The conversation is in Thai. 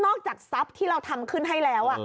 จากทรัพย์ที่เราทำขึ้นให้แล้ว